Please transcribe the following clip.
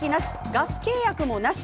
ガス契約もなし！